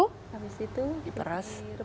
habis itu diperas